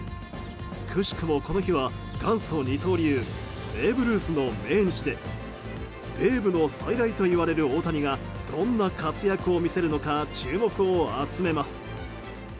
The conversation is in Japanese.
くしくもこの日は元祖二刀流ベーブ・ルースの命日でベーブの再来といわれる大谷がどんな活躍を見せるのか注目されます。